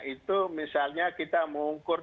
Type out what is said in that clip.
itu misalnya kita mengukur